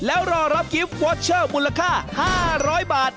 แล้วรอรับกิฟต์วอเชอร์มูลค่า๕๐๐บาท